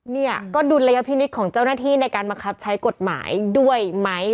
เนี่ยก็ดุลยพินิษฐ์ของเจ้าหน้าที่ในการบังคับใช้กฎหมายด้วยไหม